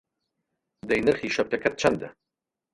دەی نرخی شەپکەکەت چەندە!